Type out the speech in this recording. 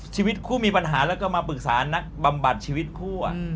ชีวิตคู่มีปัญหาแล้วก็มาปรึกษานักบำบัดชีวิตคู่